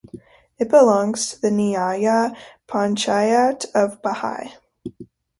It belongs to the nyaya panchayat of Bahai.